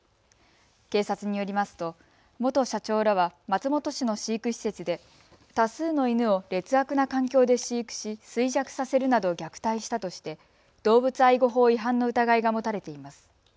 警察によりますと元社長らは松本市の飼育施設で多数の犬を劣悪な環境で飼育し衰弱させるなど虐待したとして動物愛護法違反の疑いが持たれています。